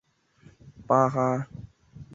过去为统一狮守备外野手。